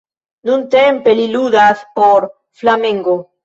Nuntempe li ludas por Flamengo.